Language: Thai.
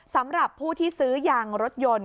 สำหรับผู้ที่ซื้อยางรถยนต์